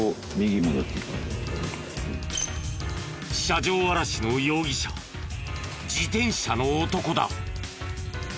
車上あらしの容疑者自転車の男だ。